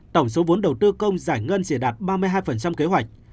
tổng số vốn đầu tư công giải ngân sẽ đạt ba mươi hai kế hoạch